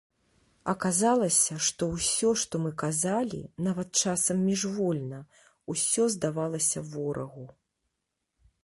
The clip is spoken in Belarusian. Аказалася, што ўсё, што мы казалі, нават часам міжвольна, усё здавалася ворагу.